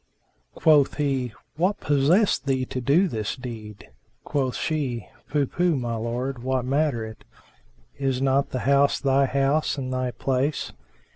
Quoth he, "What possessed thee to do this deed?" Quoth she, "Pooh, pooh, my lord! what matter it? Is not the house thy house and thy place?"